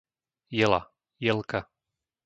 Jela, Jelka